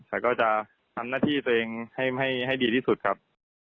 แต่ก็จะทำหน้าที่ตัวเองให้ดีที่สุดครับ